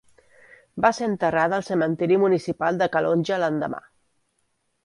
Va ser enterrada al cementiri municipal de Calonge l'endemà.